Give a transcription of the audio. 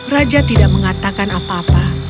raja tidak mengatakan apa apa